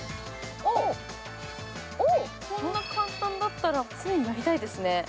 こんな簡単だったらやりたいですね。